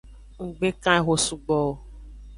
Nggbe kan eho sugbo o.